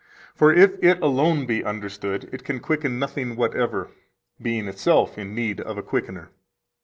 For if it alone be understood, it can quicken nothing whatever, being itself in need of a quickener.